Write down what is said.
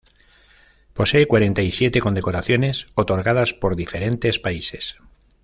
Posee cuarenta y siete condecoraciones otorgadas por diferentes países.